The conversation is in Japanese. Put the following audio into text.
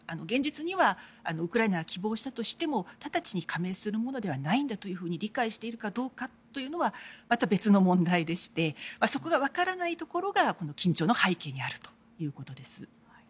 現実にはウクライナが希望したとしても直ちに加盟するものではないと理解しているかどうかはまた別の問題でしてそこが分からないところがこの緊張の背景にあるということです。